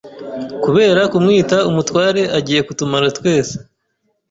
Kubera kumwita umutware agiye kutumara twese”